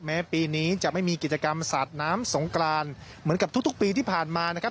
แม้ปีนี้จะไม่มีกิจกรรมสาดน้ำสงกรานเหมือนกับทุกปีที่ผ่านมานะครับ